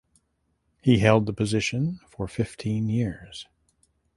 He held the position for fifteen years.